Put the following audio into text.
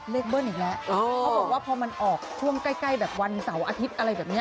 เบิ้ลอีกแล้วเขาบอกว่าพอมันออกช่วงใกล้แบบวันเสาร์อาทิตย์อะไรแบบนี้